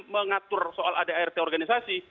mengatur soal adart organisasi